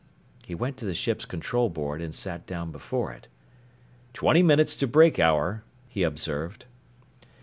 He went to the ships' control board and sat down before it. "Twenty minutes to breakhour," he observed.